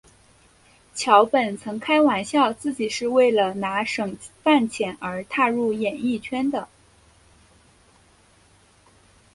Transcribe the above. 桥本曾开玩笑自己是为了拿省饭钱而踏入演艺圈的。